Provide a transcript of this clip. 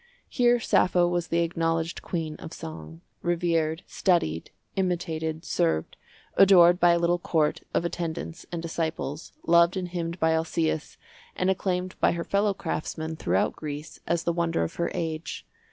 Here Sappho was the acknowledged queen of song—revered, studied, imitated, served, adored by a little court of attendants and disciples, loved and hymned by Alcæus, and acclaimed by her fellowcraftsmen throughout Greece as the wonder of her age.